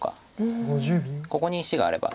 ここに石があれば。